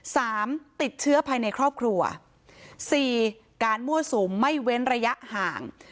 สามติดเชื้อภายในครอบครัวสี่การมั่วสุมไม่เว้นระยะห่าง